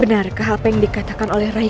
benarkah apa yang dikatakan oleh rai